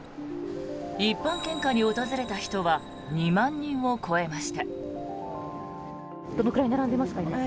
一般献花に訪れた人は２万人を超えました。